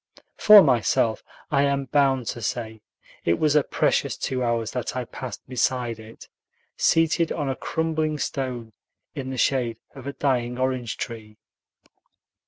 For myself, I am bound to say, it was a precious two hours that I passed beside it, seated on a crumbling stone in the shade of a dying orange tree.